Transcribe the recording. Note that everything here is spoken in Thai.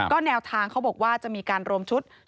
ก็แนวทางเขาบอกว่าจะมีการรวมชุด